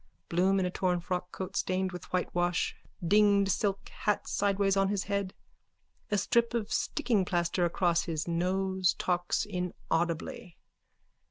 Bloom in a torn frockcoat stained with whitewash, dinged silk hat sideways on his head, a strip of stickingplaster across his nose, talks inaudibly.)